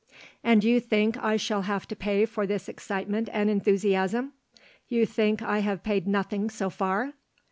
"And you think I shall have to pay for this excitement and enthusiasm? You think I have paid nothing so far?"